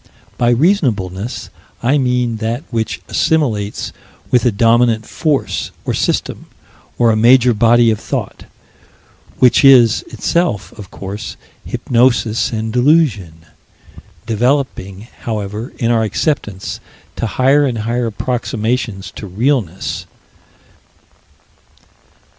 By reasonableness I mean that which assimilates with a dominant force, or system, or a major body of thought which is, itself, of course, hypnosis and delusion developing, however, in our acceptance, to higher and higher approximations to realness.